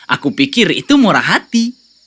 aku pikir itu murah hati